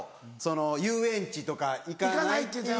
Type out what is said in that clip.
遊園地とか行かないっていう。